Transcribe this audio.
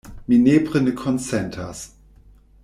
Mi nepre ne konsentas.